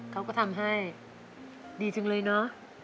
เขาก็ทำให้ดีจังเลยเนอะ